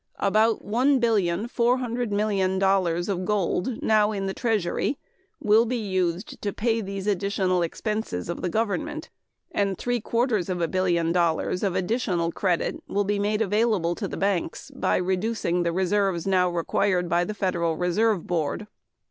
About one billion four hundred million dollars of gold now in the treasury will be used to pay these additional expenses of the government, and three quarters of a billion dollars of additional credit will be made available to the banks by reducing the reserves now required by the Federal Reserve Board.